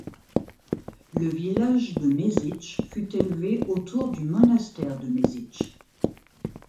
Le village de Mesić fut élevé autour du monastère de Mesić.